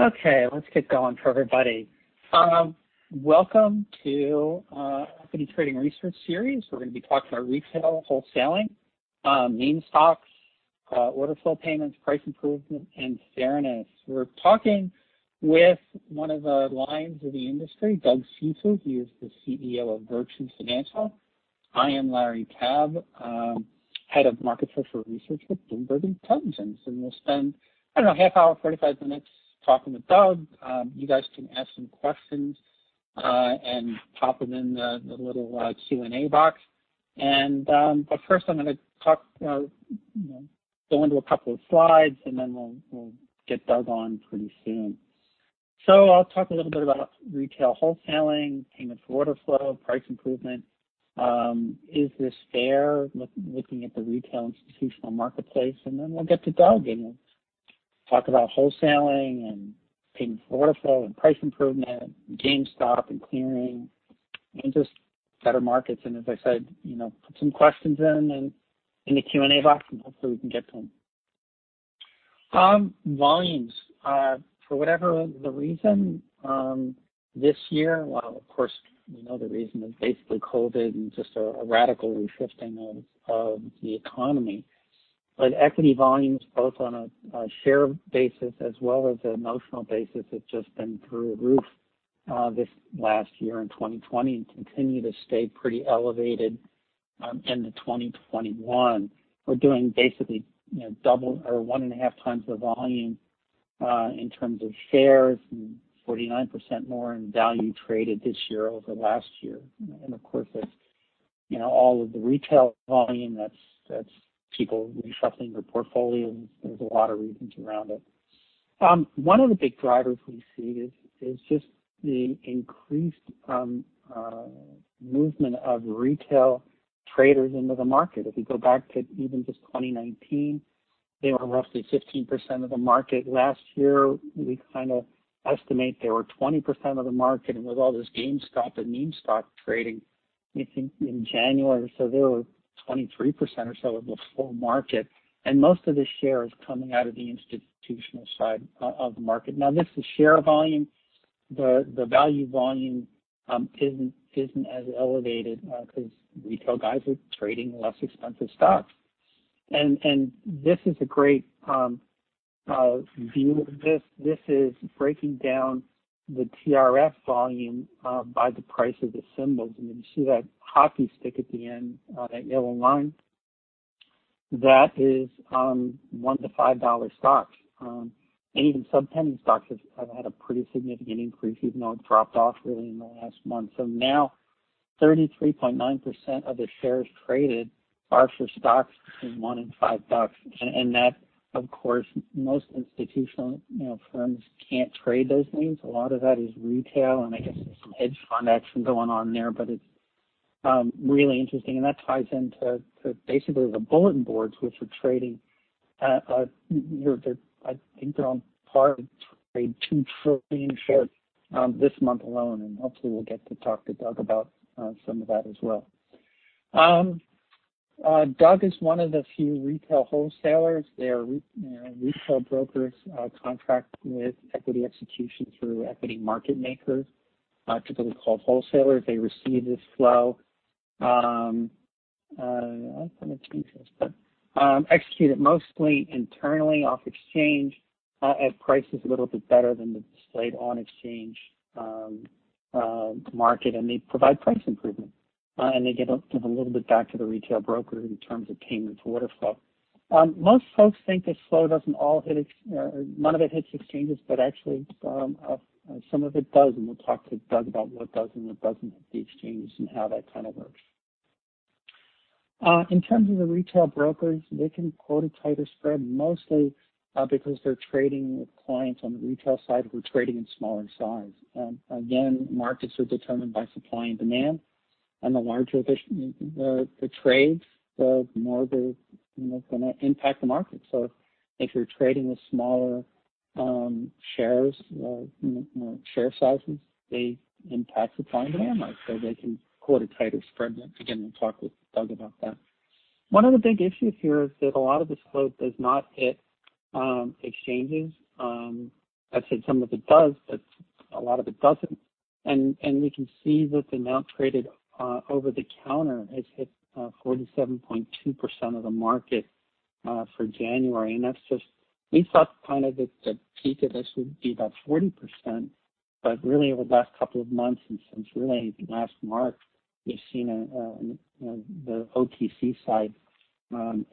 Okay, let's get going for everybody. Welcome to Equity Trading Research Series. We're going to be talking about retail, wholesaling, meme stocks, order flow payments, price improvement, and fairness. We're talking with one of the lions of the industry, Doug Cifu. He is the CEO of Virtu Financial. I am Larry Tabb, head of market structure research with Bloomberg Intelligence. And we'll spend, I don't know, half hour, 45 minutes talking with Doug. You guys can ask some questions, and pop them in the little Q&A box. But first I'm going to talk, you know, go into a couple of slides, and then we'll get Doug on pretty soon. So I'll talk a little bit about retail wholesaling, payment for order flow, price improvement. Is this fair looking at the retail institutional marketplace? Then we'll get to Doug, and he'll talk about wholesaling and payment for order flow and price improvement, GameStop and clearing, and just Better Markets. As I said, you know, put some questions in the Q&A box, and hopefully we can get to them. Volumes, for whatever the reason, this year. Well, of course, you know, the reason is basically COVID and just a radical re-shifting of the economy. Equity volumes, both on a share basis as well as a notional basis, have just been through the roof this last year in 2020 and continue to stay pretty elevated into 2021. We're doing basically, you know, double or one and a half times the volume, in terms of shares, and 49% more in value traded this year over last year. Of course, that's, you know, all of the retail volume that's people reshuffling their portfolios. There's a lot of reasons around it. One of the big drivers we see is just the increased movement of retail traders into the market. If we go back to even just 2019, they were roughly 15% of the market. Last year, we kind of estimate they were 20% of the market. And with all this GameStop and meme stock trading, I think in January, so they were 23% or so of the full market. And most of the share is coming out of the institutional side of the market. Now, this is share volume. The value volume isn't as elevated, because retail guys are trading less expensive stocks. And this is a great view of this. This is breaking down the TRF volume by the price of the symbols. And you see that hockey stick at the end, that yellow line? That is one to five dollar stocks, and even sub-penny stocks have had a pretty significant increase, even though it dropped off really in the last month. So now, 33.9% of the shares traded are for stocks between one and five bucks. And that, of course, most institutional, you know, firms can't trade those names. A lot of that is retail. And I guess there's some hedge fund action going on there. But it's really interesting. And that ties into basically the bulletin boards, which are trading, you know, they're, I think they're on par with trade 2 trillion shares this month alone. And hopefully we'll get to talk to Doug about some of that as well. Doug is one of the few retail wholesalers. They're, you know, retail brokers contract with equity execution through equity market makers, typically called wholesalers. They receive this flow. I'm trying to change this, but execute it mostly internally off exchange, at prices a little bit better than the displayed on exchange market. And they provide price improvement. And they give a little bit back to the retail broker in terms of payment for order flow. Most folks think this flow doesn't all hit, none of it hits exchanges, but actually, some of it does. And we'll talk to Doug about what does and what doesn't hit the exchanges and how that kind of works. In terms of the retail brokers, they can quote a tighter spread, mostly, because they're trading with clients on the retail side who are trading in smaller size. And again, markets are determined by supply and demand. And the larger the trades, the more they're, you know, going to impact the market. So if you're trading with smaller shares, you know, share sizes, they impact supply and demand market. So they can quote a tighter spread. Again, we'll talk with Doug about that. One of the big issues here is that a lot of this flow does not hit exchanges. I said some of it does, but a lot of it doesn't. And we can see that the amount traded over the counter has hit 47.2% of the market for January. And that's just, we thought kind of that the peak of this would be about 40%. But really, over the last couple of months and since really last March, we've seen, you know, the OTC side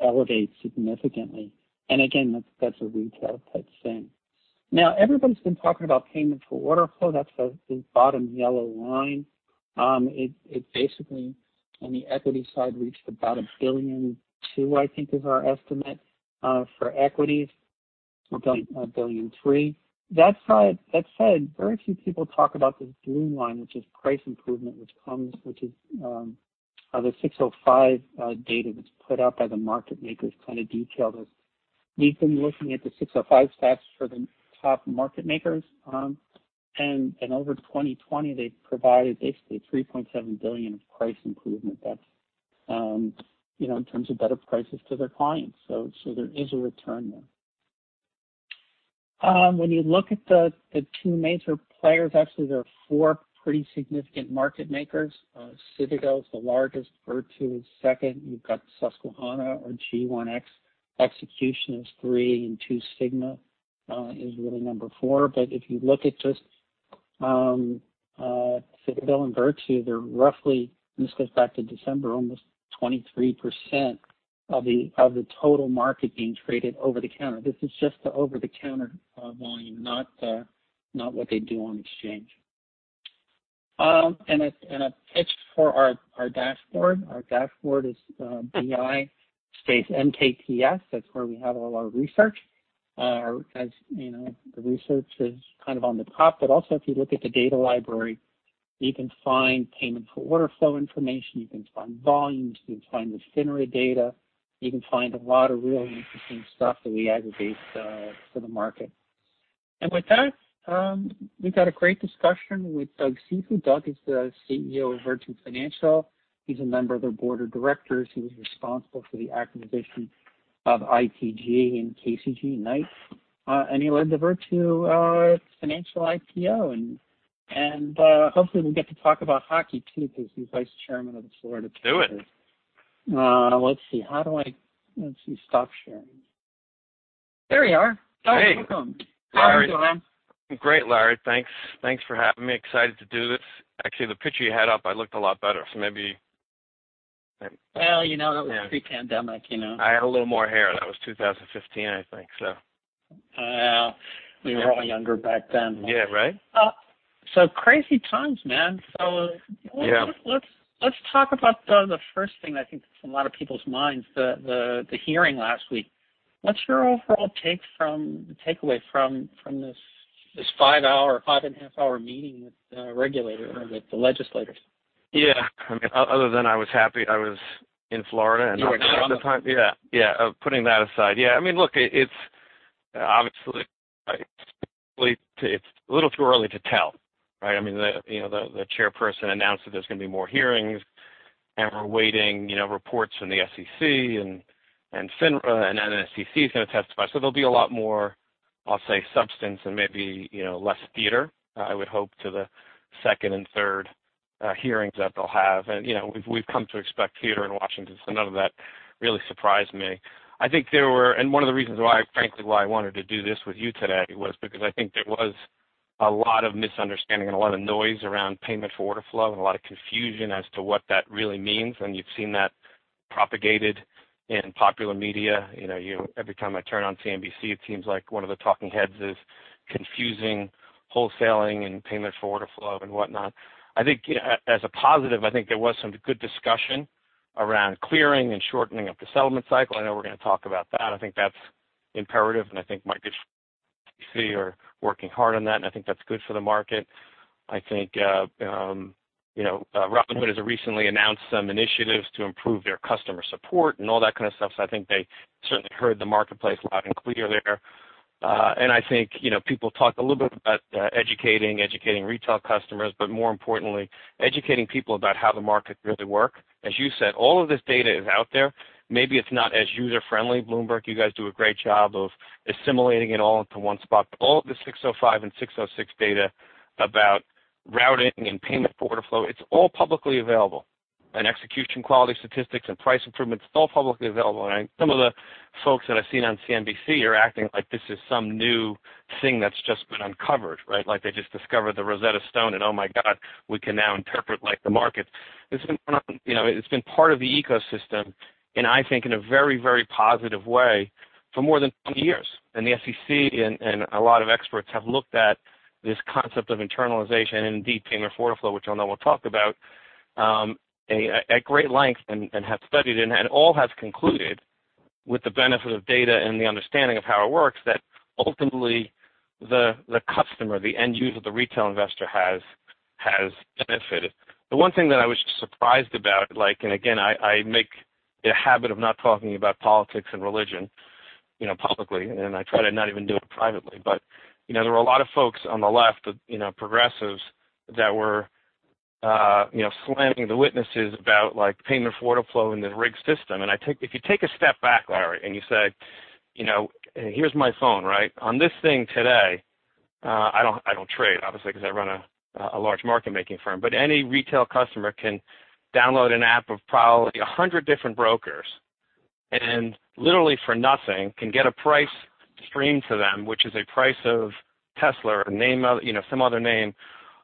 elevate significantly. And again, that's a retail type thing. Now, everybody's been talking about payment for order flow. That's the bottom yellow line. It basically, on the equity side, reached about $1.2 billion, I think is our estimate, for equities. We're going $1.3 billion. That side, very few people talk about this blue line, which is price improvement, which is the 605 data that's put out by the market makers kind of detail this. We've been looking at the 605 stats for the top market makers. And over 2020, they provided basically $3.7 billion of price improvement. That's, you know, in terms of better prices to their clients. So there is a return there. When you look at the two major players, actually, there are four pretty significant market makers. Citadel's the largest. Virtu is second. You've got Susquehanna or G1X. Execution is three, and Two Sigma is really number four. But if you look at just Citadel and Virtu, they're roughly, and this goes back to December, almost 23% of the total market being traded over the counter. This is just the over the counter volume, not what they do on exchange, and a pitch for our dashboard. Our dashboard is BI space MKTS. That's where we have all our research. As you know, the research is kind of on the top. But also, if you look at the data library, you can find payment for order flow information. You can find volumes. You can find the FINRA Data. You can find a lot of real interesting stuff that we aggregate for the market. And with that, we've had a great discussion with Doug Cifu. Doug is the CEO of Virtu Financial. He's a member of their board of directors. He was responsible for the acquisition of ITG and KCG and Knight. He led the Virtu Financial IPO. And hopefully we'll get to talk about hockey too because he's vice chairman of the Florida Panthers. Do it. Let's see. Stop sharing. There we are. Hey. Oh, welcome. How are you, man? Great, Larry. Thanks. Thanks for having me. Excited to do this. Actually, the picture you had up, I looked a lot better. So maybe. Well, you know, that was pre-pandemic, you know. I had a little more hair. That was 2015, I think, so. We were all younger back then. Yeah, right? So crazy times, man. So. Yeah. Let's talk about the first thing I think that's on a lot of people's minds, the hearing last week. What's your overall takeaway from this five-hour, five and a half hour meeting with the regulator or with the legislators? Yeah. I mean, other than I was happy I was in Florida and not around the time. You Yeah, putting that aside. I mean, look, it's obviously a little too early to tell, right? I mean, you know, the chairperson announced that there's going to be more hearings. And we're waiting, you know, reports from the SEC and FINRA, and then SEC's going to testify. So there'll be a lot more, I'll say, substance and maybe, you know, less theater, I would hope, to the second and third hearings that they'll have. And, you know, we've come to expect theater in Washington. So none of that really surprised me. I think there were, and one of the reasons why, frankly, why I wanted to do this with you today was because I think there was a lot of misunderstanding and a lot of noise around payment for order flow and a lot of confusion as to what that really means. And you've seen that propagated in popular media. You know, you, every time I turn on CNBC, it seems like one of the talking heads is confusing wholesaling and payment for order flow and whatnot. I think, you know, as a positive, I think there was some good discussion around clearing and shortening of the settlement cycle. I know we're going to talk about that. I think that's imperative. And I think Mike Dissey are working hard on that. And I think that's good for the market. I think, you know, Robinhood has recently announced some initiatives to improve their customer support and all that kind of stuff. So I think they certainly heard the marketplace loud and clear there. And I think, you know, people talk a little bit about educating retail customers. But more importantly, educating people about how the market really works. As you said, all of this data is out there. Maybe it's not as user-friendly. Bloomberg, you guys do a great job of assimilating it all into one spot. All of the 605 and 606 data about routing and payment for order flow, it's all publicly available. Execution quality statistics and price improvements, it's all publicly available. I think some of the folks that I've seen on CNBC are acting like this is some new thing that's just been uncovered, right? Like they just discovered the Rosetta Stone and, oh my God, we can now interpret like the market. It's been on, you know, it's been part of the ecosystem, and I think in a very, very positive way for more than 20 years. And the SEC and a lot of experts have looked at this concept of internalization and indeed payment for order flow, which I'll know we'll talk about, at great length and have studied it. And it all has concluded with the benefit of data and the understanding of how it works that ultimately the customer, the end user, the retail investor has benefited. The one thing that I was surprised about, like, and again, I make a habit of not talking about politics and religion, you know, publicly. And I try to not even do it privately. But, you know, there were a lot of folks on the left, you know, progressives that were, you know, slamming the witnesses about, like, payment for order flow and the rigged system. If you take a step back, Larry, and you say, you know, here's my phone, right? On this thing today, I don't trade, obviously, because I run a large market making firm. But any retail customer can download an app of probably 100 different brokers and literally for nothing can get a price stream to them, which is a price of Tesla or, you know, some other name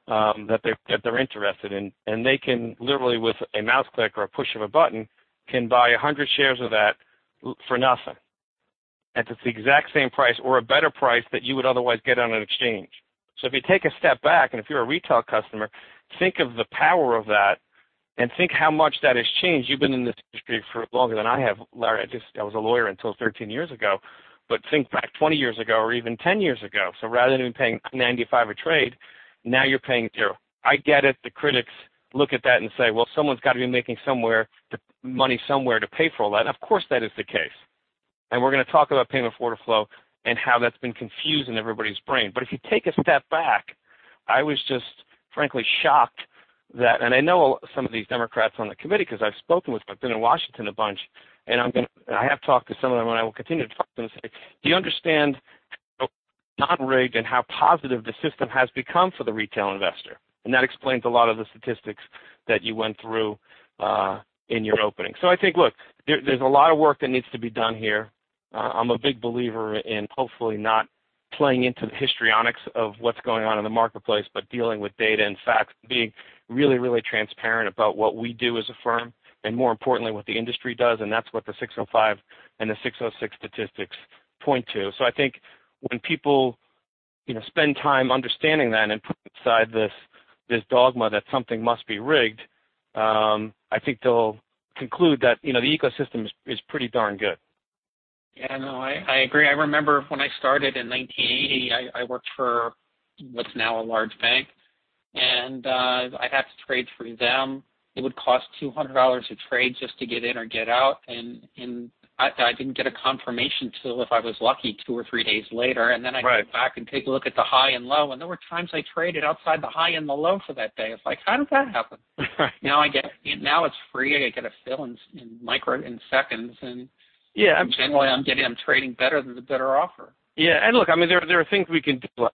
that they're interested in. And they can literally, with a mouse click or a push of a button, buy 100 shares of that for nothing. And it's the exact same price or a better price that you would otherwise get on an exchange. If you take a step back, and if you're a retail customer, think of the power of that and think how much that has changed. You've been in this industry for longer than I have, Larry. I just, I was a lawyer until 13 years ago. But think back 20 years ago or even 10 years ago. So rather than even paying $0.95 a trade, now you're paying $0. I get it. The critics look at that and say, well, someone's got to be making somewhere the money somewhere to pay for all that. And of course, that is the case. And we're going to talk about payment for order flow and how that's been confused in everybody's brain. But if you take a step back, I was just frankly shocked that, and I know some of these Democrats on the committee because I've spoken with them. I've been in Washington a bunch. And I'm going to. I have talked to some of them, and I will continue to talk to them and say, do you understand how non-rigged and how positive the system has become for the retail investor? And that explains a lot of the statistics that you went through, in your opening. So I think, look, there, there's a lot of work that needs to be done here. I'm a big believer in hopefully not playing into the histrionics of what's going on in the marketplace, but dealing with data and facts and being really, really transparent about what we do as a firm and more importantly what the industry does. And that's what the Rule 605 and the Rule 606 statistics point to. So I think when people, you know, spend time understanding that and putting aside this dogma that something must be rigged, I think they'll conclude that, you know, the ecosystem is pretty darn good. Yeah. No, I agree. I remember when I started in 1980, I worked for what's now a large bank. And I had to trade through them. It would cost $200 a trade just to get in or get out. And I didn't get a confirmation till if I was lucky two or three days later. And then I came back and took a look at the high and low. And there were times I traded outside the high and the low for that day. It's like, how did that happen? Now I get, now it's free. I get a fill in microseconds. And. Yeah. I'm. Generally, I'm trading better than the bid offer. Yeah. And look, I mean, there are things we can do at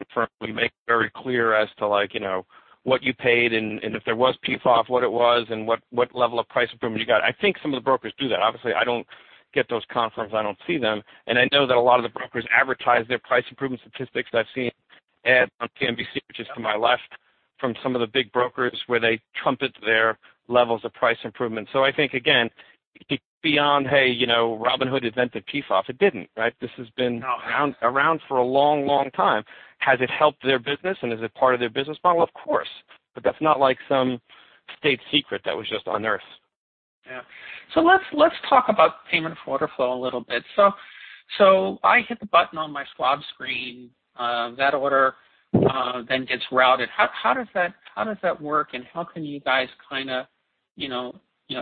the firm. We make it very clear as to, like, you know, what you paid and if there was PFOF, what it was and what level of price improvement you got. I think some of the brokers do that. Obviously, I don't get those confirmations. I don't see them. And I know that a lot of the brokers advertise their price improvement statistics that I've seen ads on CNBC, which is to my left, from some of the big brokers where they trumpet their levels of price improvement. So I think, again, beyond, hey, you know, Robinhood invented PFOF. It didn't, right? This has been around for a long, long time. Has it helped their business? And is it part of their business model? Of course. But that's not like some state secret that was just unearthed. Yeah, so let's talk about payment for order flow a little bit. I hit the button on my squad screen. That order then gets routed. How does that work? And how can you guys kind of, you know,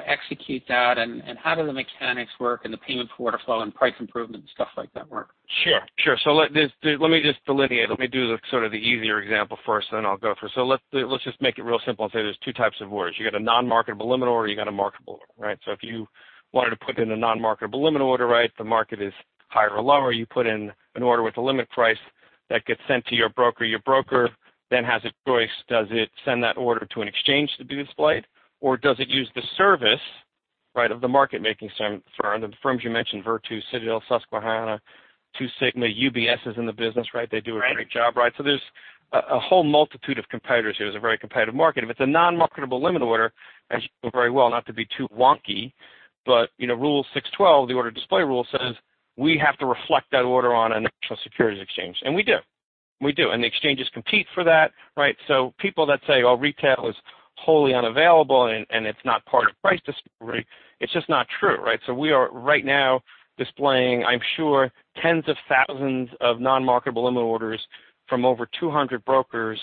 execute that? And how do the mechanics work and the payment for order flow and price improvement and stuff like that work? Sure. Let me just delineate. Let me do sort of the easier example first, and then I'll go through. Let's just make it real simple and say there's two types of orders. You got a non-marketable limit order. You got a marketable order, right? So if you wanted to put in a non-marketable limit order, right, the market is higher or lower. You put in an order with a limit price that gets sent to your broker. Your broker then has a choice. Does it send that order to an exchange to be displayed? Or does it use the service, right, of the market making firm? The firms you mentioned, Virtu, Citadel, Susquehanna, Two Sigma, UBS is in the business, right? They do a great job, right? So there's a whole multitude of competitors here. It's a very competitive market. If it's a non-marketable limit order, as you know very well, not to be too wonky, but, you know, Rule 612, the order display rule says, we have to reflect that order on a national securities exchange. And we do. We do. And the exchanges compete for that, right? So people that say, oh, retail is wholly unavailable and it's not part of price discovery, it's just not true, right? So we are right now displaying, I'm sure, tens of thousands of non-marketable limit orders from over 200 brokers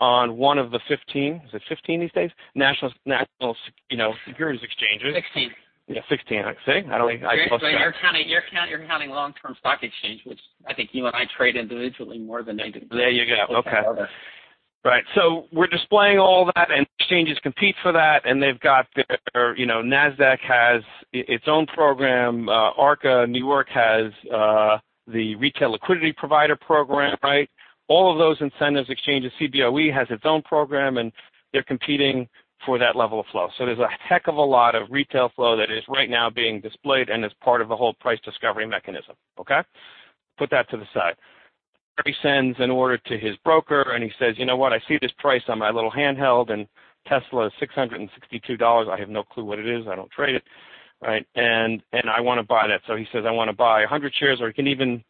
on one of the 15, is it 15 these days? National, you know, securities exchanges. 16. Yeah. 16, I'd say. I don't, I just. I think you're counting Long-Term Stock Exchange, which I think you and I trade individually more than I do. There you go. Okay. Right. So we're displaying all that, and exchanges compete for that. And they've got their, you know, Nasdaq has its own program, ARKA. New York has the Retail Liquidity Provider Program, right? All of those incentives exchanges, Cboe has its own program, and they're competing for that level of flow. So there's a heck of a lot of retail flow that is right now being displayed and is part of the whole price discovery mechanism, okay? Put that to the side. Larry sends an order to his broker, and he says, you know what? I see this price on my little handheld, and Tesla is $662. I have no clue what it is. I don't trade it, right? And, and I want to buy that. So he says, I want to buy 100 shares. Or he can even,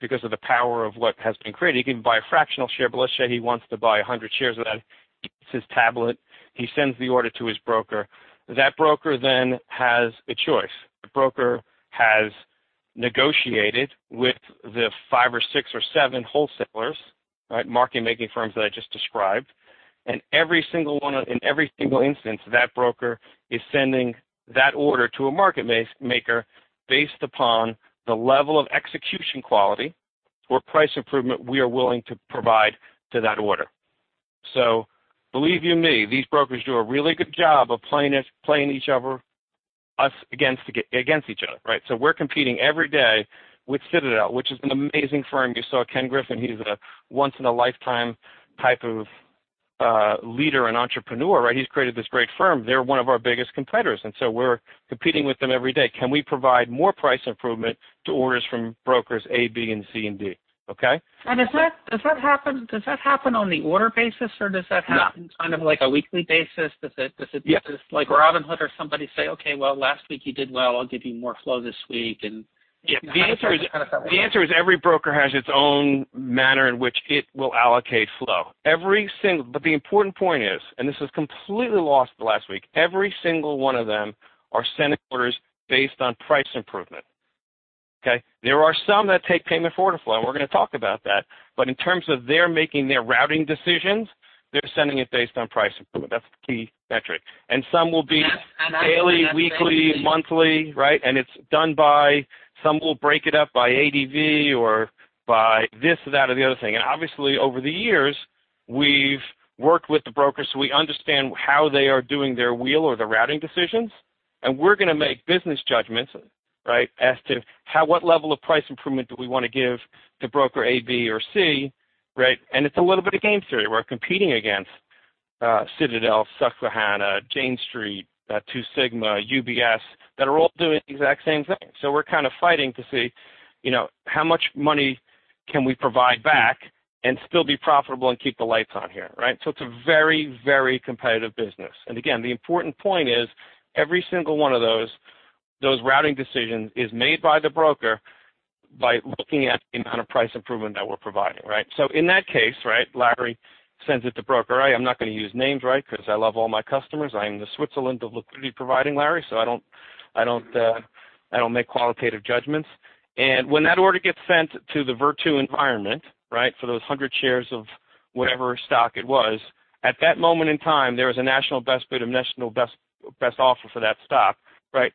because of the power of what has been created, he can buy a fractional share. But let's say he wants to buy 100 shares of that. He gets his tablet. He sends the order to his broker. That broker then has a choice. That broker has negotiated with the five or six or seven wholesalers, right, market making firms that I just described. And every single one of, in every single instance, that broker is sending that order to a market maker based upon the level of execution quality or price improvement we are willing to provide to that order. So believe you me, these brokers do a really good job of playing each, playing each other, us against, against each other, right? So we're competing every day with Citadel, which is an amazing firm. You saw Ken Griffin. He's a once-in-a-lifetime type of leader and entrepreneur, right? He's created this great firm. They're one of our biggest competitors. And so we're competing with them every day. Can we provide more price improvement to orders from brokers A, B, and C, and D? Okay? Does that happen on the order basis or does that happen? No. On kind of like a weekly basis? Does it like Robinhood or somebody say, okay, well, last week you did well. I'll give you more flow this week. And. Yeah. The answer is. The answer is every broker has its own manner in which it will allocate flow. Every single, but the important point is, and this was completely lost last week, every single one of them are sending orders based on price improvement, okay? There are some that take payment for order flow, and we're going to talk about that. But in terms of they're making their routing decisions, they're sending it based on price improvement. That's the key metric. And some will be. And I think. Daily, weekly, monthly, right? And it's done by some will break it up by ADV or by this or that or the other thing. And obviously, over the years, we've worked with the brokers so we understand how they are doing their wheel or their routing decisions. And we're going to make business judgments, right, as to how, what level of price improvement do we want to give to broker A, B, or C, right? And it's a little bit of game theory. We're competing against Citadel, Susquehanna, Jane Street, Two Sigma, UBS that are all doing the exact same thing. So we're kind of fighting to see, you know, how much money can we provide back and still be profitable and keep the lights on here, right? So it's a very, very competitive business. Again, the important point is every single one of those routing decisions is made by the broker by looking at the amount of price improvement that we're providing, right? So in that case, right, Larry sends it to broker, right? I'm not going to use names, right, because I love all my customers. I'm the Switzerland of liquidity providing, Larry, so I don't make qualitative judgments. And when that order gets sent to the Virtu environment, right, for those 100 shares of whatever stock it was, at that moment in time, there was a national best bid or national best offer for that stock, right?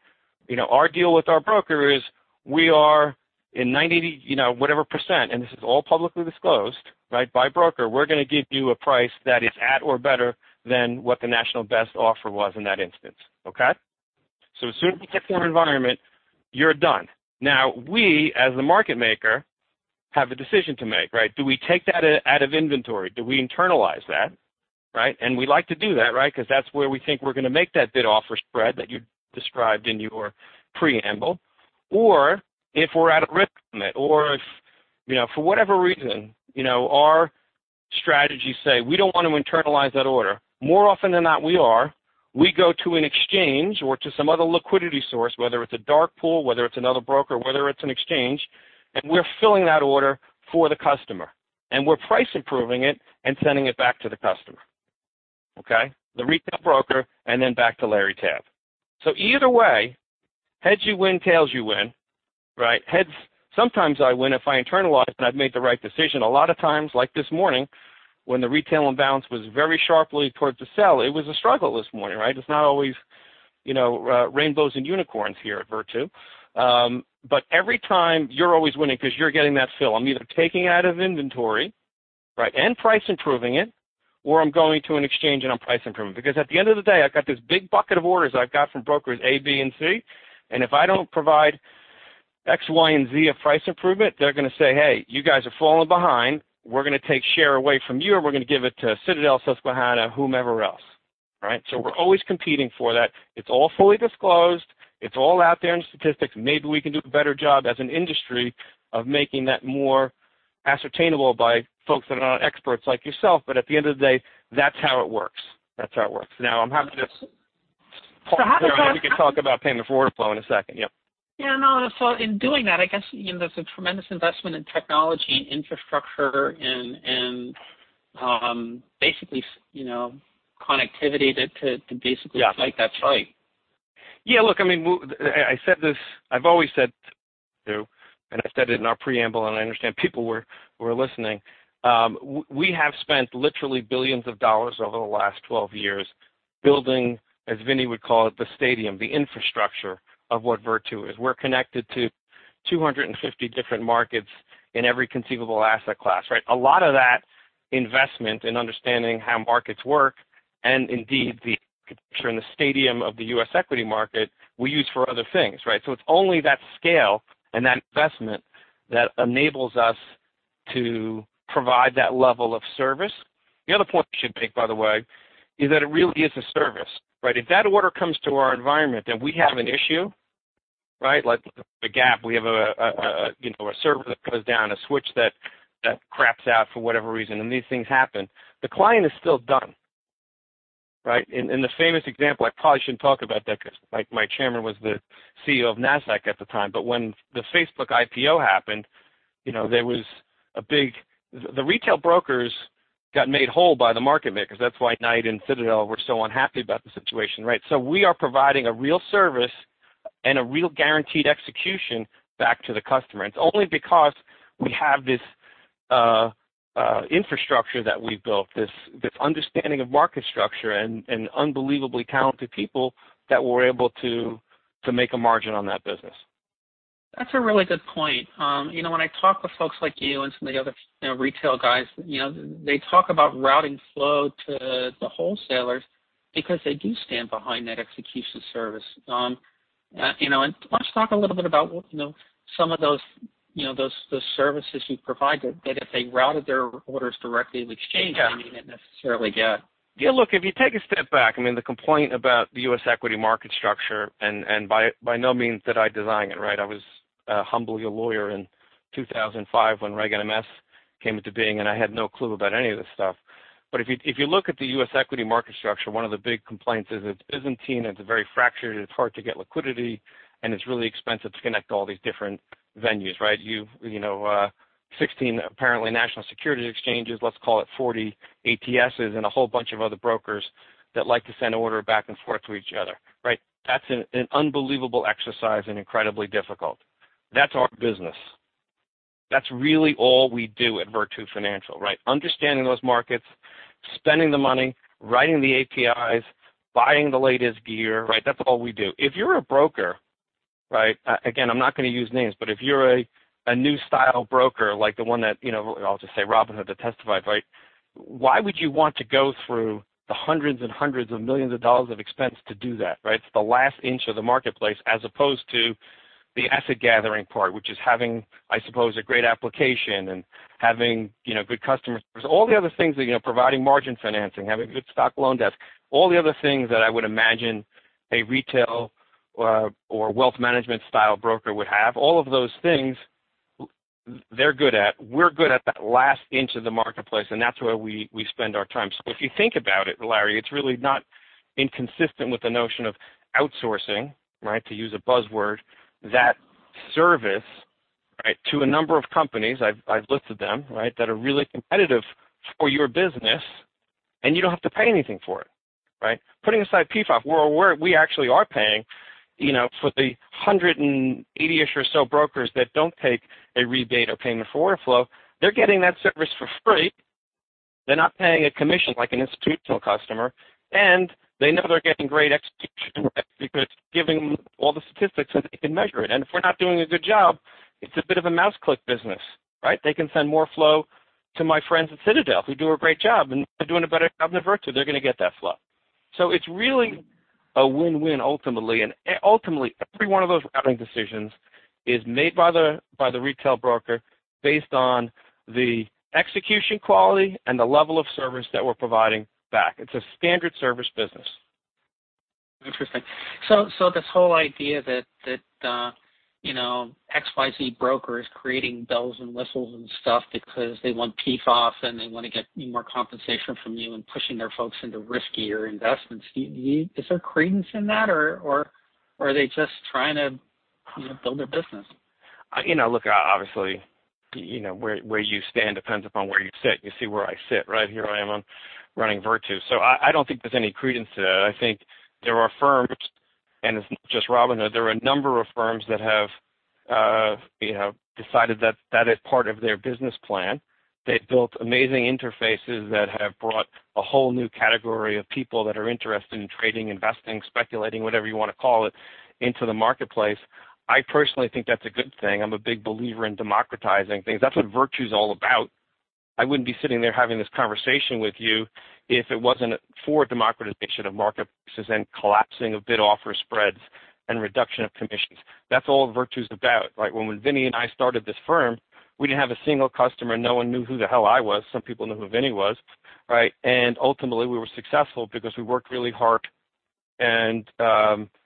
You know, our deal with our broker is we are in 90%, you know, whatever, and this is all publicly disclosed, right, by broker. We're going to give you a price that is at or better than what the National Best Bid and Offer was in that instance, okay? So as soon as you get to our environment, you're done. Now, we as the market maker have a decision to make, right? Do we take that out of inventory? Do we internalize that, right? And we like to do that, right, because that's where we think we're going to make that bid-offer spread that you described in your preamble. Or if we're at a risk limit, or if, you know, for whatever reason, you know, our strategies say we don't want to internalize that order, more often than not we are, we go to an exchange or to some other liquidity source, whether it's a dark pool, whether it's another broker, whether it's an exchange, and we're filling that order for the customer. And we're price improving it and sending it back to the customer, okay? The retail broker and then back to Larry Tabb. So either way, heads you win, tails you win, right? Heads, sometimes I win if I internalize and I've made the right decision. A lot of times, like this morning when the retail imbalance was very sharply towards the sell, it was a struggle this morning, right? It's not always, you know, rainbows and unicorns here at Virtu. But every time you're always winning because you're getting that fill. I'm either taking out of inventory, right, and price improving it, or I'm going to an exchange and I'm price improving. Because at the end of the day, I've got this big bucket of orders I've got from brokers A, B, and C. And if I don't provide X, Y, and Z of price improvement, they're going to say, hey, you guys are falling behind. We're going to take share away from you, and we're going to give it to Citadel, Susquehanna, whomever else, right? So we're always competing for that. It's all fully disclosed. It's all out there in statistics. Maybe we can do a better job as an industry of making that more ascertainable by folks that are not experts like yourself. But at the end of the day, that's how it works. That's how it works. Now, I'm having to. Talk about it. And Larry, we can talk about payment for order flow in a second. Yep. Yeah. No, so in doing that, I guess, you know, there's a tremendous investment in technology and infrastructure and basically, you know, connectivity to basically. Yes. Fight that fight. Yeah. Look, I mean, I said this. I've always said too, and I said it in our preamble, and I understand people were listening. We have spent literally billions of dollars over the last 12 years building, as Vinny would call it, the stadium, the infrastructure of what Virtu is. We're connected to 250 different markets in every conceivable asset class, right? A lot of that investment in understanding how markets work and indeed the architecture and the stadium of the U.S. equity market, we use for other things, right? So it's only that scale and that investment that enables us to provide that level of service. The other point I should make, by the way, is that it really is a service, right? If that order comes to our environment and we have an issue, right, like a gap, we have, you know, a server that goes down, a switch that craps out for whatever reason, and these things happen, the client is still done, right? In the famous example, I probably shouldn't talk about that because my chairman was the CEO of Nasdaq at the time. But when the Facebook IPO happened, you know, there was a big, the retail brokers got made whole by the market makers. That's why Knight and Citadel were so unhappy about the situation, right? So we are providing a real service and a real guaranteed execution back to the customer. And it's only because we have this infrastructure that we've built, this understanding of market structure and unbelievably talented people that we're able to make a margin on that business. That's a really good point. You know, when I talk with folks like you and some of the other, you know, retail guys, you know, they talk about routing flow to the wholesalers because they do stand behind that execution service. You know, and let's talk a little bit about, you know, some of those, you know, those services you provide that if they routed their orders directly to the exchange. They may not necessarily get. Yeah. Look, if you take a step back, I mean, the complaint about the U.S. equity market structure and by no means did I design it, right? I was humbly a lawyer in 2005 when Reg NMS came into being, and I had no clue about any of this stuff. But if you look at the U.S. equity market structure, one of the big complaints is it's Byzantine, it's very fractured, it's hard to get liquidity, and it's really expensive to connect all these different venues, right? You know, 16 apparently national securities exchanges, let's call it 40 ATSs and a whole bunch of other brokers that like to send order back and forth to each other, right? That's an unbelievable exercise and incredibly difficult. That's our business. That's really all we do at Virtu Financial, right? Understanding those markets, spending the money, writing the APIs, buying the latest gear, right? That's all we do. If you're a broker, right, again, I'm not going to use names, but if you're a new style broker like the one that, you know, I'll just say Robinhood that testified, right? Why would you want to go through the hundreds and hundreds of millions of dollars of expense to do that, right? It's the last inch of the marketplace as opposed to the asset gathering part, which is having, I suppose, a great application and having, you know, good customers. There's all the other things that, you know, providing margin financing, having good stock loan desk, all the other things that I would imagine a retail, or wealth management style broker would have. All of those things, they're good at. We're good at that last inch of the marketplace, and that's where we spend our time. So if you think about it, Larry, it's really not inconsistent with the notion of outsourcing, right, to use a buzzword, that service, right, to a number of companies, I've listed them, right, that are really competitive for your business, and you don't have to pay anything for it, right? Putting aside PFOF, we actually are paying, you know, for the 180-ish or so brokers that don't take a rebate or payment for workflow, they're getting that service for free. They're not paying a commission like an institutional customer, and they know they're getting great execution because it's giving them all the statistics so they can measure it. And if we're not doing a good job, it's a bit of a mouse click business, right? They can send more flow to my friends at Citadel who do a great job, and they're doing a better job than Virtu. They're going to get that flow. So it's really a win-win ultimately. Ultimately, every one of those routing decisions is made by the retail broker based on the execution quality and the level of service that we're providing back. It's a standard service business. Interesting. So this whole idea that, you know, X, Y, Z broker is creating bells and whistles and stuff because they want PFOF and they want to get more compensation from you and pushing their folks into riskier investments, do you, is there credence in that or are they just trying to, you know, build their business? You know, look, obviously, you know, where, where you stand depends upon where you sit. You see where I sit, right? Here I am on running Virtu. So I don't think there's any credence to that. I think there are firms, and it's not just Robinhood, there are a number of firms that have, you know, decided that that is part of their business plan. They've built amazing interfaces that have brought a whole new category of people that are interested in trading, investing, speculating, whatever you want to call it, into the marketplace. I personally think that's a good thing. I'm a big believer in democratizing things. That's what Virtu is all about. I wouldn't be sitting there having this conversation with you if it wasn't for democratization of marketplaces and collapsing of bid offer spreads and reduction of commissions. That's all Virtu is about, right? When Vinny and I started this firm, we didn't have a single customer. No one knew who the hell I was. Some people knew who Vinny was, right? And ultimately, we were successful because we worked really hard and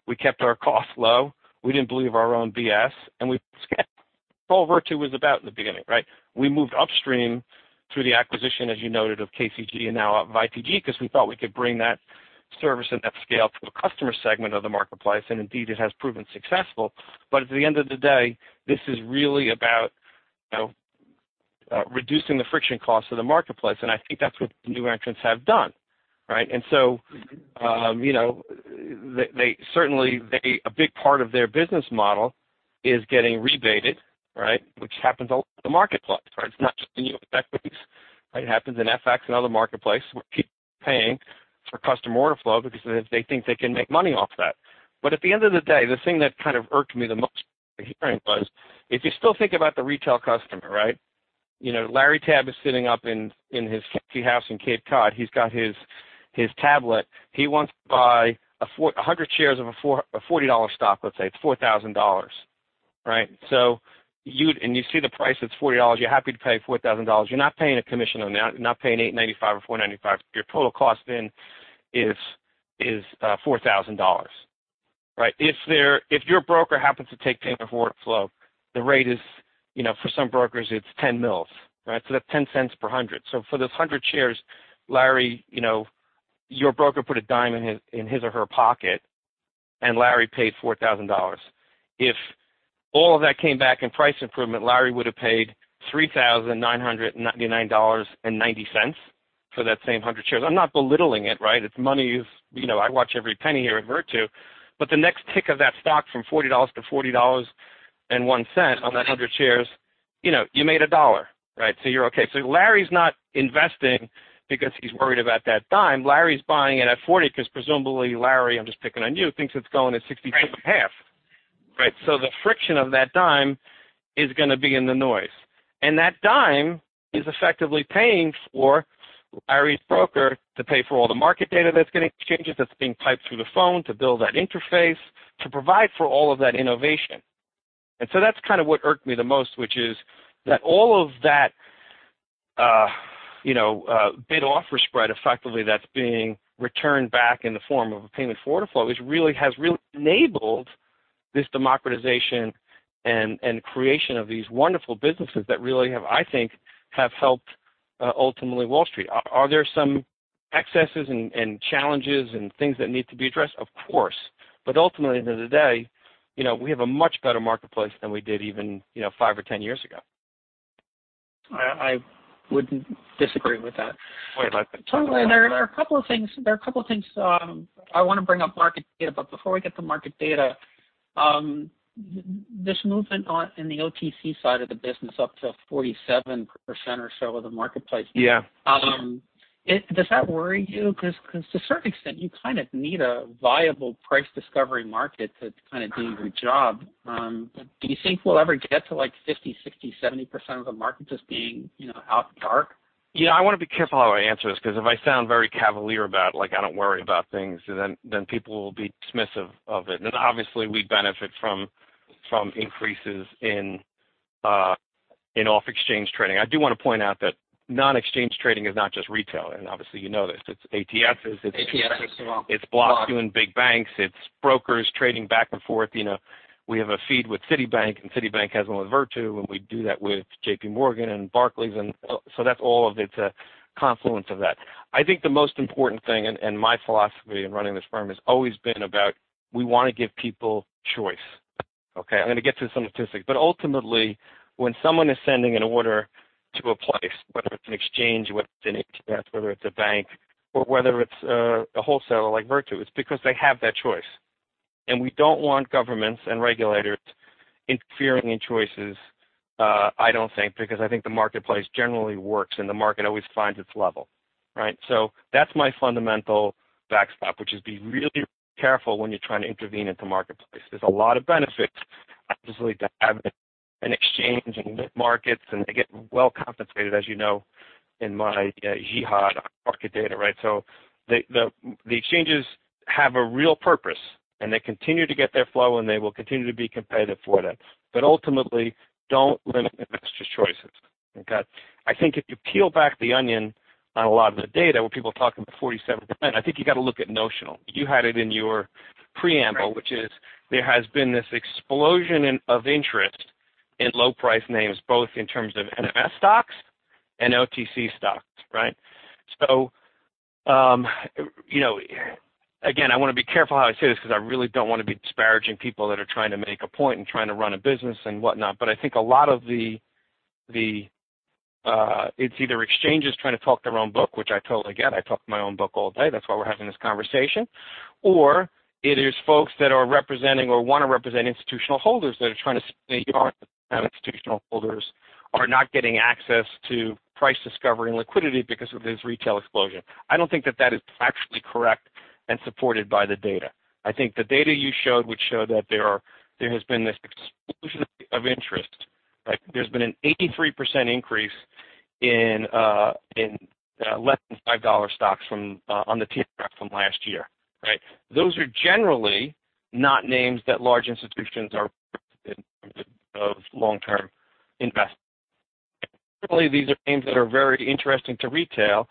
we kept our costs low. We didn't believe our own BS, and we scaled. That's all Virtu was about in the beginning, right? We moved upstream through the acquisition, as you noted, of KCG and now of ITG because we thought we could bring that service and that scale to a customer segment of the marketplace. And indeed, it has proven successful. But at the end of the day, this is really about, you know, reducing the friction costs of the marketplace. And I think that's what the new entrants have done, right? And so, you know, they certainly, a big part of their business model is getting rebated, right, which happens all over the marketplace, right? It's not just in US equities, right? It happens in FX and other marketplaces where people are paying for customer order flow because they think they can make money off that. But at the end of the day, the thing that kind of irked me the most hearing was if you still think about the retail customer, right? You know, Larry Tabb is sitting up in his cape house in Cape Cod. He's got his tablet. He wants to buy 400 shares of a $40 stock, let's say it's $4,000, right? So you'd, and you see the price is $40, you're happy to pay $4,000. You're not paying a commission on that. You're not paying $8.95 or $4.95. Your total cost then is $4,000, right? If your broker happens to take payment for order flow, the rate is, you know, for some brokers, it's 10 mils, right? So that's $0.10 cents per 100. So for those 100 shares, Larry, you know, your broker put a dime in his or her pocket, and Larry paid $4,000. If all of that came back in price improvement, Larry would have paid $3,999.90 for that same 100 shares. I'm not belittling it, right? It's money, you know, I watch every penny here at Virtu. But the next tick of that stock from $40-$40.01 on that 100 shares, you know, you made a dollar, right? So you're okay. So Larry's not investing because he's worried about that dime. Larry's buying it at $40 because presumably Larry, I'm just picking on you, thinks it's going at $62.5, right? So the friction of that dime is going to be in the noise. And that dime is effectively paying for Larry's broker to pay for all the market data that's getting exchanged, that's being typed through the phone to build that interface, to provide for all of that innovation. And so that's kind of what irked me the most, which is that all of that, you know, bid offer spread effectively that's being returned back in the form of a payment for order flow has really enabled this democratization and creation of these wonderful businesses that really have, I think, have helped, ultimately Wall Street. Are there some excesses and challenges and things that need to be addressed? Of course. But ultimately, at the end of the day, you know, we have a much better marketplace than we did even, you know, five or 10 years ago. I wouldn't disagree with that. Wait, I think. Totally. There are a couple of things I want to bring up market data, but before we get to market data, this movement in the OTC side of the business up to 47% or so of the marketplace. Yeah. It, does that worry you? Because to a certain extent, you kind of need a viable price discovery market to kind of do your job. Do you think we'll ever get to like 50%, 60%, 70% of the market just being, you know, out of the dark? You know, I want to be careful how I answer this because if I sound very cavalier about it, like I don't worry about things, then people will be dismissive of it. And obviously, we benefit from increases in off-exchange trading. I do want to point out that non-exchange trading is not just retail. And obviously, you know this. It's ATSs. It's. ATSs as well. It's blockchain in big banks. It's brokers trading back and forth. You know, we have a feed with Citibank, and Citibank has one with Virtu, and we do that with J.P. Morgan and Barclays, and so that's all of it, it's a confluence of that. I think the most important thing, and my philosophy in running this firm has always been about we want to give people choice, okay? I'm going to get to some statistics, but ultimately, when someone is sending an order to a place, whether it's an exchange, whether it's an ATS, whether it's a bank, or whether it's a wholesaler like Virtu, it's because they have that choice. We don't want governments and regulators interfering in choices, I don't think, because I think the marketplace generally works and the market always finds its level, right? So that's my fundamental backstop, which is be really careful when you're trying to intervene into marketplace. There's a lot of benefits, obviously, to having an exchange and mid-markets, and they get well compensated, as you know, in my huge market data, right? So the exchanges have a real purpose, and they continue to get their flow, and they will continue to be competitive for that. But ultimately, don't limit investors' choices, okay? I think if you peel back the onion on a lot of the data where people are talking about 47%, I think you've got to look at notional. You had it in your preamble, which is there has been this explosion of interest in low-priced names, both in terms of NMS stocks and OTC stocks, right? So, you know, again, I want to be careful how I say this because I really don't want to be disparaging people that are trying to make a point and trying to run a business and whatnot. But I think a lot of the it's either exchanges trying to talk their own book, which I totally get. I talk my own book all day. That's why we're having this conversation. Or it is folks that are representing or want to represent institutional holders that are trying to say you aren't institutional holders are not getting access to price discovery and liquidity because of this retail explosion. I don't think that is factually correct and supported by the data. I think the data you showed would show that there has been this explosion of interest, right? There's been an 83% increase in less than $5 stocks from on the TRF from last year, right? Those are generally not names that large institutions are interested in in terms of long-term investment. Certainly, these are names that are very interesting to retail.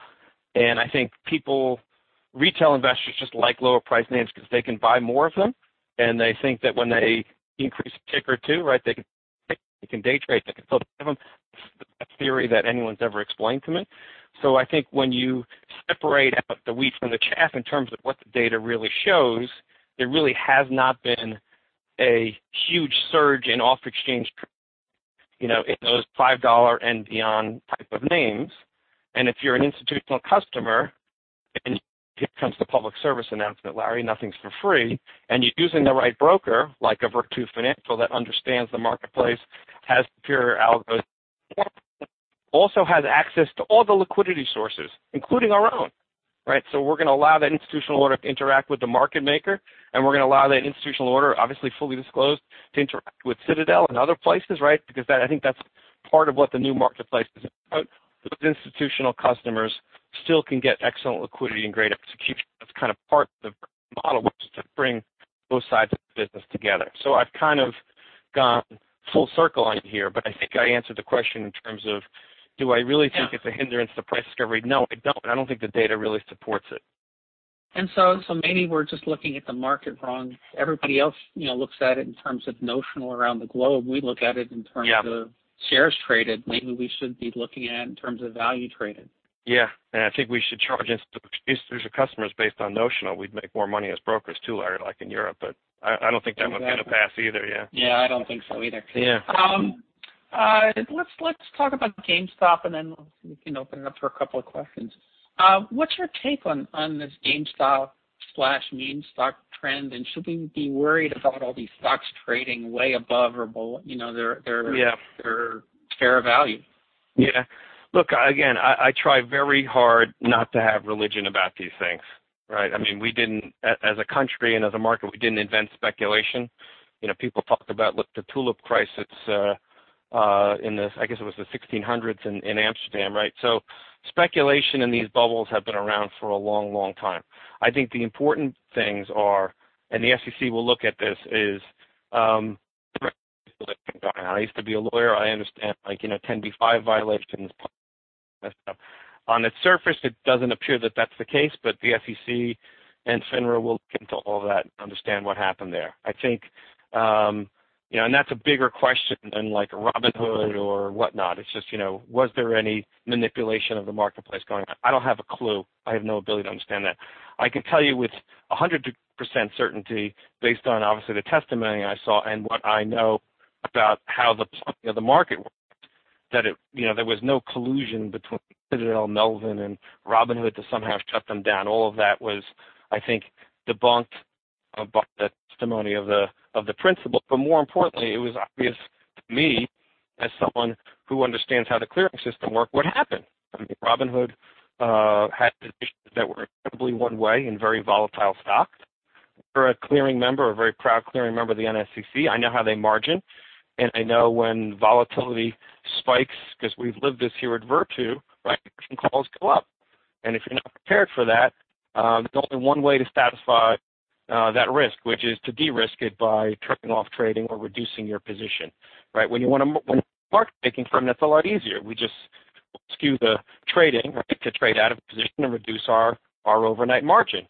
And I think people, retail investors just like lower-priced names because they can buy more of them. And they think that when they increase a tick or two, right, they can pick, they can day trade, they can still have them. That's the theory that anyone's ever explained to me. So I think when you separate out the wheat from the chaff in terms of what the data really shows, there really has not been a huge surge in off-exchange trading, you know, in those $5 and beyond type of names. And if you're an institutional customer, and here comes the public service announcement, Larry. Nothing's for free, and you're using the right broker, like a Virtu Financial that understands the marketplace, has superior algos, also has access to all the liquidity sources, including our own, right? So we're going to allow that institutional order to interact with the market maker, and we're going to allow that institutional order, obviously fully disclosed, to interact with Citadel and other places, right? Because that, I think that's part of what the new marketplace is about. Those institutional customers still can get excellent liquidity and great execution. That's kind of part of the model, which is to bring both sides of the business together. So I've kind of gone full circle on you here, but I think I answered the question in terms of, do I really think it's a hindrance to price discovery? No, I don't. I don't think the data really supports it. And so maybe we're just looking at the market wrong. Everybody else, you know, looks at it in terms of notional around the globe. We look at it in terms of shares traded. Maybe we should be looking at it in terms of value traded. Yeah, and I think we should charge institutions or customers based on notional. We'd make more money as brokers too, Larry, like in Europe. But I don't think that one's going to pass either, yeah. Yeah. I don't think so either. Yeah. Let's talk about GameStop, and then we can open it up for a couple of questions. What's your take on this GameStop/meme stock trend? And should we be worried about all these stocks trading way above or below, you know, their fair value? Yeah. Look, again, I try very hard not to have religion about these things, right? I mean, we didn't, as a country and as a market, we didn't invent speculation. You know, people talk about, look, the Tulip Crisis, in the, I guess it was the 1600s in, in Amsterdam, right? So speculation and these bubbles have been around for a long, long time. I think the important things are, and the SEC will look at this as, I used to be a lawyer. I understand, like, you know, 10b-5 violations. On the surface, it doesn't appear that that's the case, but the SEC and FINRA will look into all that and understand what happened there. I think, you know, and that's a bigger question than, like, Robinhood or whatnot. It's just, you know, was there any manipulation of the marketplace going on? I don't have a clue. I have no ability to understand that. I can tell you with 100% certainty based on, obviously, the testimony I saw and what I know about how the, you know, the market worked, that it, you know, there was no collusion between Citadel, Melvin, and Robinhood to somehow shut them down. All of that was, I think, debunked by the testimony of the, of the principal. But more importantly, it was obvious to me as someone who understands how the clearing system worked, what happened. I mean, Robinhood had positions that were incredibly one-way and very volatile stock. We're a clearing member, a very proud clearing member of the NSCC. I know how they margin. And I know when volatility spikes, because we've lived this here at Virtu, right, margin calls go up. And if you're not prepared for that, the only way to satisfy that risk, which is to de-risk it by turning off trading or reducing your position, right? When you're a market-making firm, that's a lot easier. We just skew the trading, right, to trade out of position and reduce our overnight margin.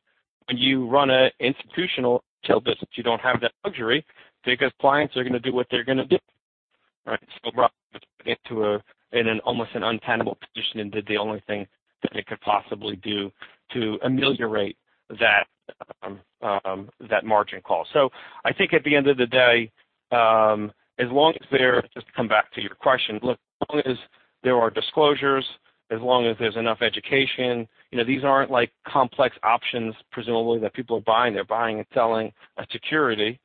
When you run an institutional retail business, you don't have that luxury because clients are going to do what they're going to do, right? So Robinhood went into an almost untenable position and did the only thing that they could possibly do to ameliorate that margin call. So I think at the end of the day, as long as there, just to come back to your question, look, as long as there are disclosures, as long as there's enough education, you know, these aren't like complex options, presumably, that people are buying. They're buying and selling a security,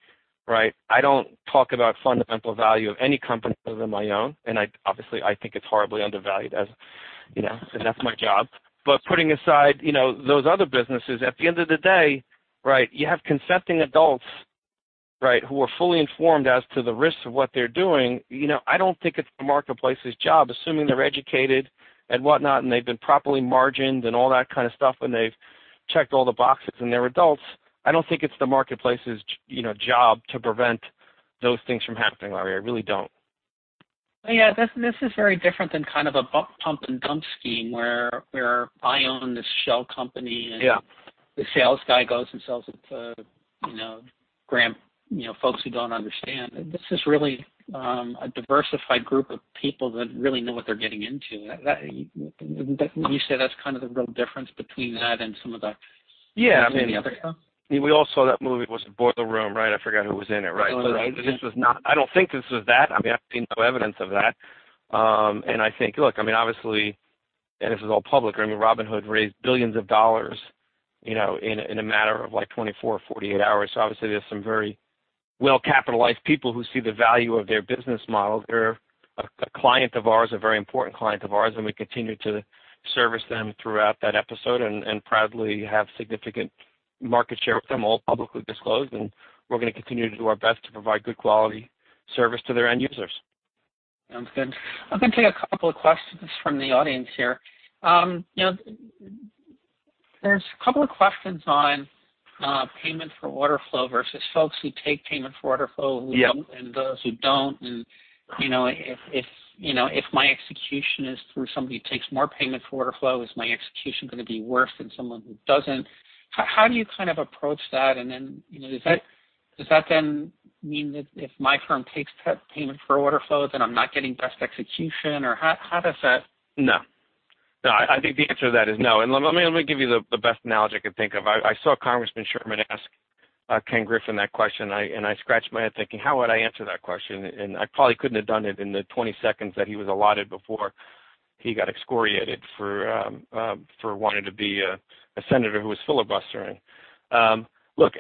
right? I don't talk about fundamental value of any company other than my own. And I, obviously, I think it's horribly undervalued as, you know, and that's my job. But putting aside, you know, those other businesses, at the end of the day, right, you have consenting adults, right, who are fully informed as to the risks of what they're doing. You know, I don't think it's the marketplace's job, assuming they're educated and whatnot, and they've been properly margined and all that kind of stuff, and they've checked all the boxes and they're adults. I don't think it's the marketplace's, you know, job to prevent those things from happening, Larry. I really don't. Yeah, this is very different than kind of a pump, pump, and dump scheme where I own this shell company and the sales guy goes and sells it to, you know, grap, you know, folks who don't understand. This is really a diversified group of people that really know what they're getting into. That you said that's kind of the real difference between that and some of the other stuff? Yeah. I mean, we all saw that movie. It was a Boiler Room, right? I forgot who was in it, right? Oh, right. This was not. I don't think this was that. I mean, I see no evidence of that. And I think, look, I mean, obviously, and this is all public, I mean, Robinhood raised billions of dollars, you know, in a matter of like 24 or 48 hours. So obviously, there's some very well-capitalized people who see the value of their business model. They're a client of ours, a very important client of ours, and we continue to service them throughout that episode and proudly have significant market share with them, all publicly disclosed. And we're going to continue to do our best to provide good quality service to their end users. Sounds good. I'm going to take a couple of questions from the audience here. You know, there's a couple of questions on payment for order flow versus folks who take payment for order flow, who don't, and those who don't. And you know, if you know, if my execution is through somebody who takes more payment for order flow, is my execution going to be worse than someone who doesn't? How do you kind of approach that? And then you know, does that then mean that if my firm takes payment for order flow, then I'm not getting best execution? Or how does that? No. No, I think the answer to that is no, and let me, let me give you the, the best analogy I can think of. I, I saw Congressman Sherman ask Ken Griffin that question. I, and I scratched my head thinking, how would I answer that question, and I probably couldn't have done it in the 20 seconds that he was allotted before he got excoriated for, for wanting to be a, a senator who was filibustering. Look,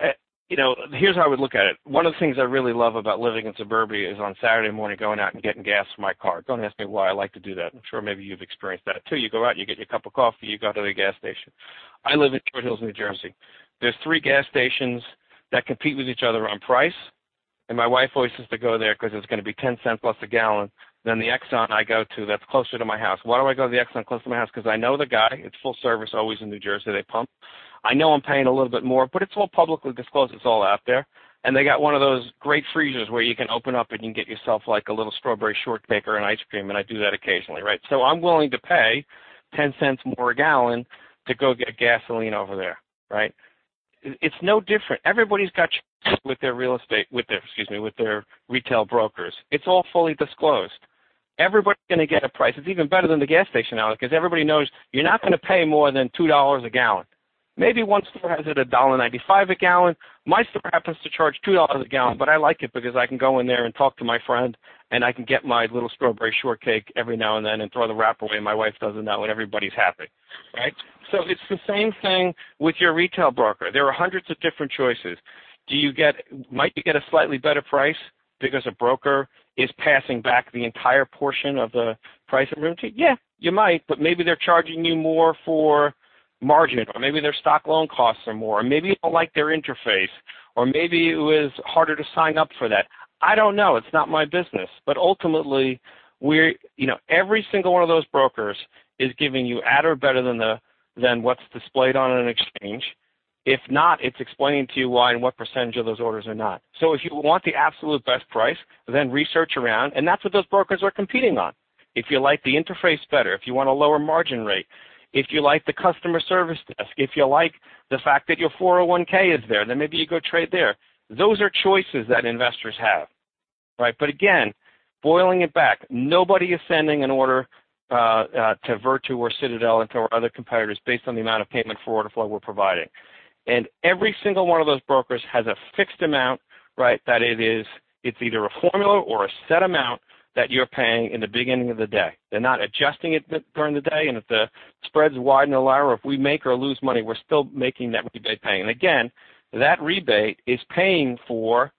you know, here's how I would look at it. One of the things I really love about living in suburbia is on Saturday morning going out and getting gas for my car. Don't ask me why I like to do that. I'm sure maybe you've experienced that too. You go out, you get your cup of coffee, you go to the gas station. I live in Short Hills, New Jersey. There's three gas stations that compete with each other on price. And my wife always says to go there because it's going to be $0.10 less a gallon. Then the Exxon I go to that's closer to my house. Why do I go to the Exxon close to my house? Because I know the guy. It's full service, always in New Jersey. They pump. I know I'm paying a little bit more, but it's all publicly disclosed. It's all out there. And they got one of those great freezers where you can open up and you can get yourself like a little strawberry shortcake and ice cream. And I do that occasionally, right? So I'm willing to pay $0.10 more a gallon to go get gasoline over there, right? It's no different. Everybody's got charges with their real estate, with their, excuse me, with their retail brokers. It's all fully disclosed. Everybody's going to get a price. It's even better than the gas station now because everybody knows you're not going to pay more than $2 a gallon. Maybe one store has it at $1.95 a gallon. My store happens to charge $2 a gallon, but I like it because I can go in there and talk to my friend, and I can get my little strawberry shortcake every now and then and throw the wrapper away, and my wife doesn't know, and everybody's happy, right? So it's the same thing with your retail broker. There are hundreds of different choices. Do you get, might you get a slightly better price because a broker is passing back the entire portion of the price improvement? Yeah, you might, but maybe they're charging you more for margin, or maybe their stock loan costs are more, or maybe you don't like their interface, or maybe it was harder to sign up for that. I don't know. It's not my business. But ultimately, we're, you know, every single one of those brokers is giving you at or better than what's displayed on an exchange. If not, it's explaining to you why and what percentage of those orders are not. So if you want the absolute best price, then research around. And that's what those brokers are competing on. If you like the interface better, if you want a lower margin rate, if you like the customer service desk, if you like the fact that your 401(k) is there, then maybe you go trade there. Those are choices that investors have, right? But again, boiling it back, nobody is sending an order to Virtu or Citadel and to our other competitors based on the amount of payment for order flow we're providing. And every single one of those brokers has a fixed amount, right, that it is, it's either a formula or a set amount that you're paying in the beginning of the day. They're not adjusting it during the day. And if the spreads widen or lower, if we make or lose money, we're still making that rebate payment. And again, that rebate payment is paying for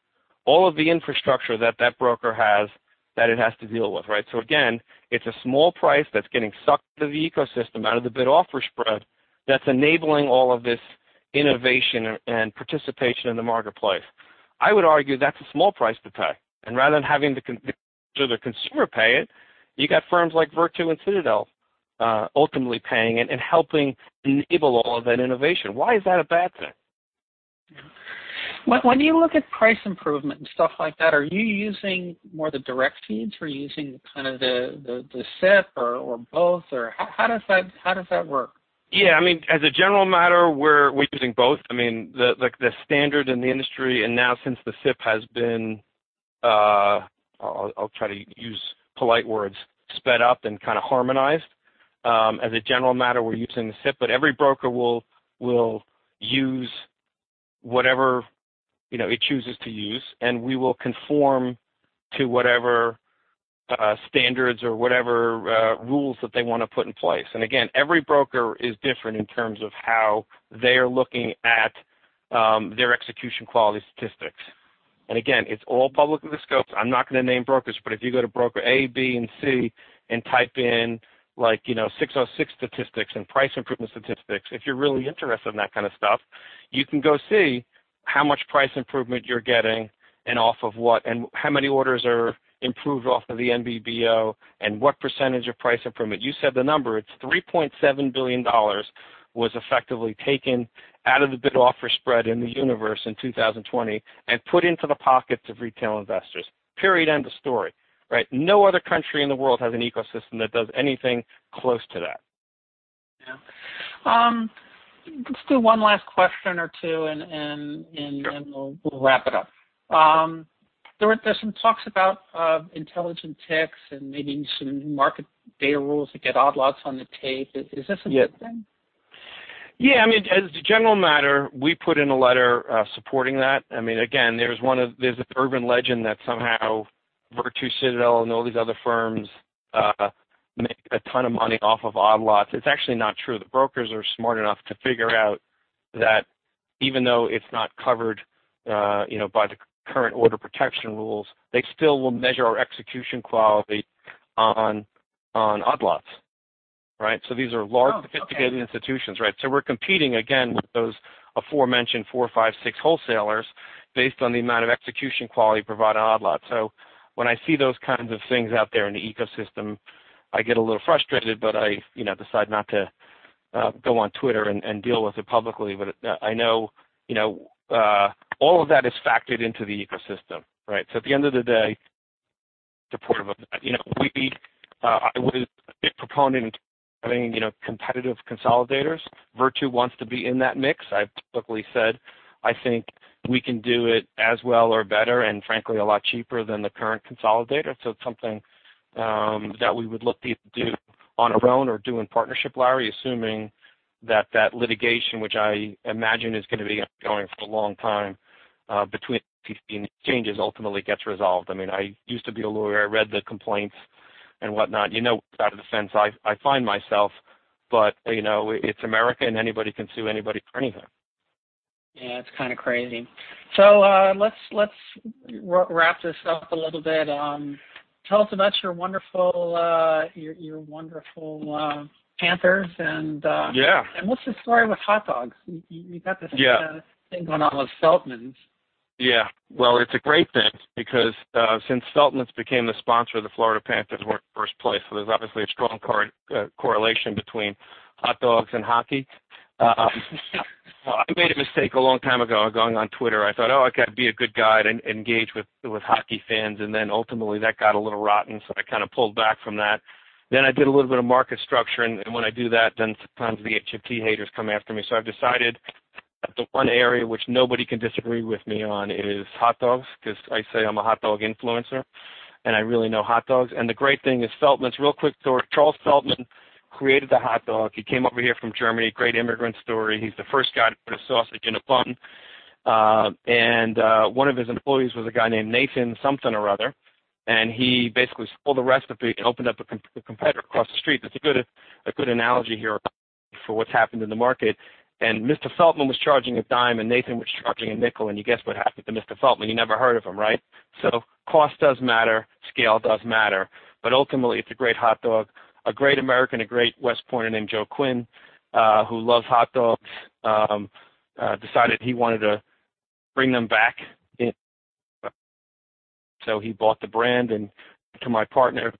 all of the infrastructure that that broker has that it has to deal with, right? So again, it's a small price that's getting sucked out of the ecosystem, out of the bid-offer spread that's enabling all of this innovation and participation in the marketplace. I would argue that's a small price to pay. Rather than having the consumer pay it, you got firms like Virtu and Citadel, ultimately paying and helping enable all of that innovation. Why is that a bad thing? Yeah. When you look at price improvement and stuff like that, are you using more the direct feeds? Are you using kind of the SIP or both? Or how does that work? Yeah. I mean, as a general matter, we're using both. I mean, the standard in the industry, and now since the SIP has been, I'll try to use polite words, sped up and kind of harmonized. As a general matter, we're using the SIP, but every broker will use whatever, you know, it chooses to use, and we will conform to whatever standards or whatever rules that they want to put in place. And again, every broker is different in terms of how they are looking at their execution quality statistics. And again, it's all publicly disclosed. I'm not going to name brokers, but if you go to broker A, B, and C and type in, like, you know, 606 statistics and price improvement statistics, if you're really interested in that kind of stuff, you can go see how much price improvement you're getting and off of what and how many orders are improved off of the NBBO and what percentage of price improvement. You said the number. It's $3.7 billion was effectively taken out of the bid-offer spread in the universe in 2020 and put into the pockets of retail investors. Period. End of story, right? No other country in the world has an ecosystem that does anything close to that. Yeah. Still one last question or two, and we'll wrap it up. There's some talks about intelligent ticks and maybe some market data rules that get odd lots on the tape. Is this a good thing? Yeah. I mean, as a general matter, we put in a letter supporting that. I mean, again, there's an urban legend that somehow Virtu, Citadel, and all these other firms make a ton of money off of odd lots. It's actually not true. The brokers are smart enough to figure out that even though it's not covered, you know, by the current order protection rules, they still will measure our execution quality on odd lots, right? So these are large, sophisticated institutions, right? So we're competing again with those aforementioned four, five, six wholesalers based on the amount of execution quality provided on odd lots. So when I see those kinds of things out there in the ecosystem, I get a little frustrated, but I, you know, decide not to go on Twitter and deal with it publicly. But I know, you know, all of that is factored into the ecosystem, right? So at the end of the day, supportive of that. You know, we, I was a big proponent of having, you know, competitive consolidators. Virtu wants to be in that mix. I've publicly said I think we can do it as well or better and, frankly, a lot cheaper than the current consolidator. So it's something, that we would look to do on our own or do in partnership, Larry, assuming that that litigation, which I imagine is going to be going for a long time, between the exchanges ultimately gets resolved. I mean, I used to be a lawyer. I read the complaints and whatnot. You know, on the fence, I, I find myself, but, you know, it's America and anybody can sue anybody for anything. Yeah. It's kind of crazy. So, let's wrap this up a little bit. Tell us about your wonderful Panthers and, Yeah. What's the story with hot dogs? You got this thing going on with Feltman. Yeah. Well, it's a great thing because, since Feltmans became the sponsor of the Florida Panthers weren't in the first place, there's obviously a strong correlation between hot dogs and hockey. I made a mistake a long time ago going on Twitter. I thought, "Oh, I got to be a good guy and engage with hockey fans." And then ultimately that got a little rotten, so I kind of pulled back from that. Then I did a little bit of market structure. And when I do that, then sometimes the HFT haters come after me. So I've decided that the one area which nobody can disagree with me on is hot dogs because I say I'm a hot dog influencer and I really know hot dogs. And the great thing is Feltmans. Real quick story. Charles Feltman created the hot dog. He came over here from Germany. Great immigrant story. He's the first guy to put a sausage in a bun, and one of his employees was a guy named Nathan something. He basically stole the recipe and opened up a competitor across the street. That's a good analogy here for what's happened in the market. Mr. Feltman was charging a dime and Nathan was charging a nickel. You guess what happened to Mr. Feltman? You never heard of him, right? Cost does matter. Scale does matter, but ultimately it's a great hot dog. A great American, a great West Pointer named Joe Quinn, who loves hot dogs, decided he wanted to bring them back, so he bought the brand and to my partner,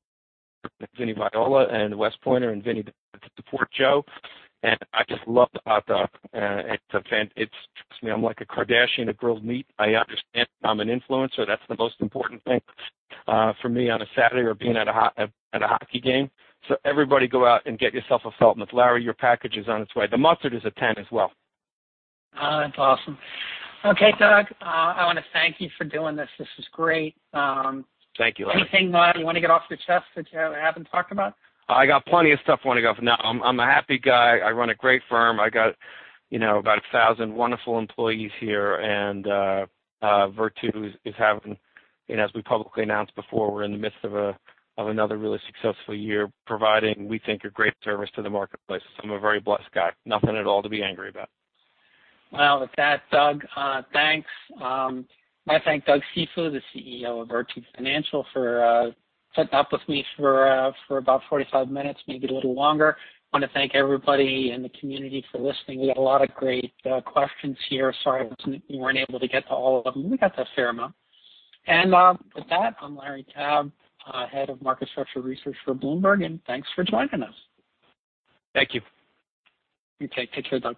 Vinny Viola, a West Pointer, and Vinny to support Joe, and I just love the hot dog. It's fun, trust me, I'm like a Kardashian of grilled meat. I understand I'm an influencer. That's the most important thing for me on a Saturday or being at a hockey game. So everybody go out and get yourself a Feltman. Larry, your package is on its way. The mustard is a 10 as well. That's awesome. Okay, Doug, I want to thank you for doing this. This was great. Thank you, Larry. Anything, you want to get off your chest that you haven't talked about? I got plenty of stuff I want to go for now. I'm a happy guy. I run a great firm. I got, you know, about 1,000 wonderful employees here, and Virtu is having, you know, as we publicly announced before, we're in the midst of of another really successful year providing, we think, a great service to the marketplace. So I'm a very blessed guy. Nothing at all to be angry about. With that, Doug, thanks. I want to thank Doug Cifu, the CEO of Virtu Financial, for sitting up with me for about 45 minutes, maybe a little longer. I want to thank everybody in the community for listening. We got a lot of great questions here. Sorry we weren't able to get to all of them. We got a fair amount. With that, I'm Larry Tabb, head of market structure research for Bloomberg. And thanks for joining us. Thank you. Okay. Take care, Doug.